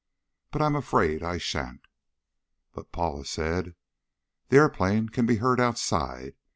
But I'm afraid I shan't." But Paula said: "The airplane can be heard outside.